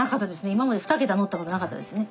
今まで２桁乗った事なかったですね。